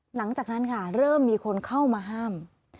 หลังจากนั้นค่ะเริ่มมีคนเข้ามาห้าม